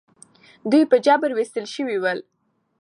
دوی په جبر ویستل شوي ول.